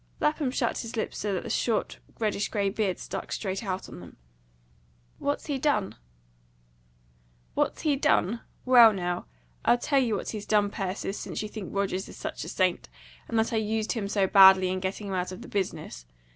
Lapham shut his lips so that the short, reddish grey beard stuck straight out on them. "What's he done?" "What's he done? Well, now, I'll tell you what he's done, Persis, since you think Rogers is such a saint, and that I used him so badly in getting him out of the business.